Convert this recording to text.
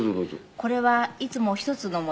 これはいつも一つのもの？